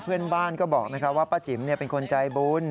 เพื่อนบ้านก็บอกว่าป้าจิ๋มเป็นคนใจบุญ